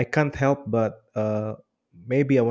saya tidak bisa membantu